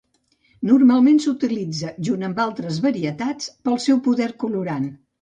Normalment s'utilitza junt amb altres varietats pel seu poder colorant.